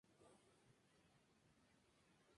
El proyecto "Est.